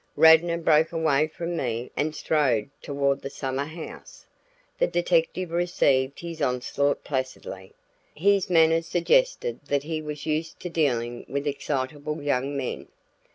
Radnor broke away from me and strode toward the summer house. The detective received his onslaught placidly; his manner suggested that he was used to dealing with excitable young men.